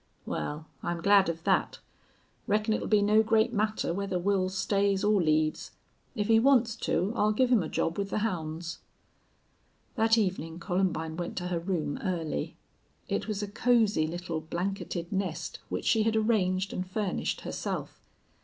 "Wal, I'm glad of thet. Reckon it'll be no great matter whether Wils stays or leaves. If he wants to I'll give him a job with the hounds." That evening Columbine went to her room early. It was a cozy little blanketed nest which she had arranged and furnished herself.